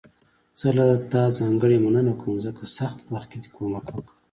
زه له تا ځانګړي مننه کوم، ځکه سخت وخت کې دې کومک وکړ.